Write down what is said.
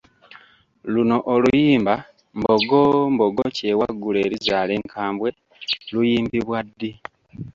Luno luyimba ‘Mbogo mbogo kyewaggula erizaala enkambwe’ luyimbibwa ddi?